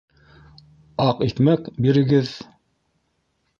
Аҡ икмәк бирегеҙ?